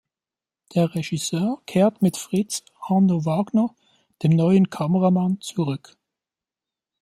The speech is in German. Der Regisseur kehrt mit Fritz Arno Wagner, dem neuen Kameramann, zurück.